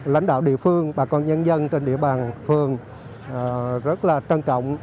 lãnh đạo địa phương bà con nhân dân trên địa bàn phường rất là trân trọng